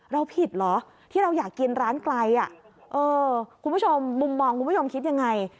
เราผิดเหรอที่เราอยากกินร้านไกลคุณผู้ชมมุมมองคุณผู้ชมคิดยังไง